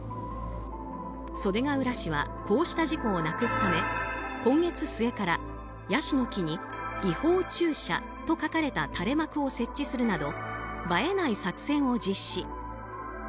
袖ケ浦市はこうした事故をなくすため今月末から、ヤシの木に違法駐車と書かれた垂れ幕を設置するなど映えない作戦を実施。